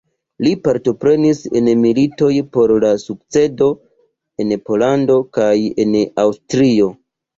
Li partoprenis en la militoj por la sukcedo en Pollando kaj en Aŭstrio.